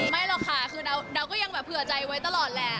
ไม่หรอกค่ะคือเราก็ยังแบบเผื่อใจไว้ตลอดแหละ